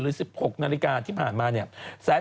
๑๖นาฬิกาที่ผ่านมาเนี่ย